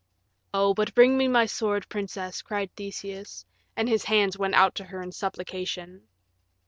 "Oh, but bring me my sword, princess," cried Theseus, and his hands went out to her in supplication.